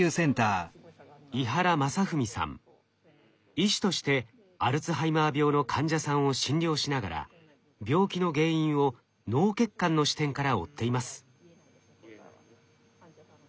医師としてアルツハイマー病の患者さんを診療しながら病気の原因を脳血管の視点から追っています。